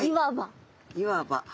「いわば」。